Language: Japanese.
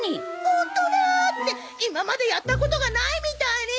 ホントだ！って今までやったことがないみたいに。